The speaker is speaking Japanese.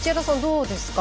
どうですか？